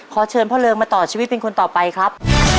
เชิญพ่อเริงมาต่อชีวิตเป็นคนต่อไปครับ